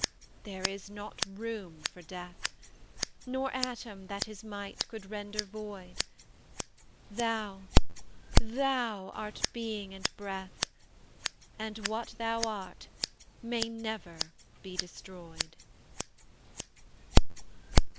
There is not room for Death, Nor atom that his might could render void: Thou THOU art Being and Breath, And what THOU art may never be destroyed.